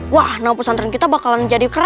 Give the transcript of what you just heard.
wah nama pesantren kita bakalan jadi keren